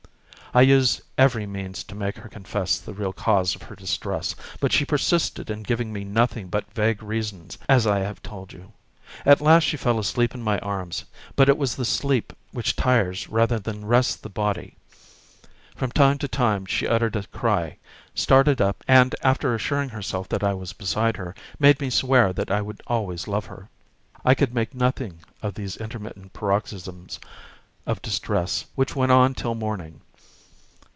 I used every means to make her confess the real cause of her distress, but she persisted in giving me nothing but vague reasons, as I have told you. At last she fell asleep in my arms, but it was the sleep which tires rather than rests the body. From time to time she uttered a cry, started up, and, after assuring herself that I was beside her, made me swear that I would always love her. I could make nothing of these intermittent paroxysms of distress, which went on till morning.